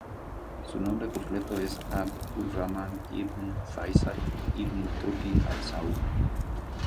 Su nombre completo es Abd ul-Rahman ibn Fáisal ibn Turki Al Saúd.